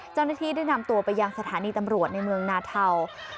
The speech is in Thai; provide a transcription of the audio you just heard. เจ้าหน้าที่ได้นำตัวไปยังสถานีตำรวจในเมืองนาเทา